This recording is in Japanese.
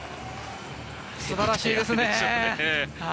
素晴らしいですね。